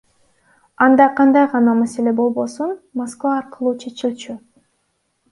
Анда кандай гана маселе болбосун Москва аркылуу чечилчү.